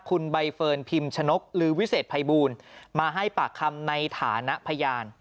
คุณใบเฟิร์นพิมชนกหรือวิเศษภัยบูลมาให้ปากคำในฐานะพยาน